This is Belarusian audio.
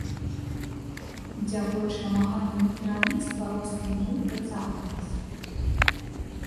Дзякуючы намаганням кіраўніцтва рост вну працягвалася.